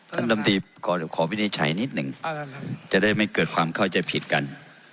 ลำตีขอวินิจฉัยนิดหนึ่งจะได้ไม่เกิดความเข้าใจผิดกัน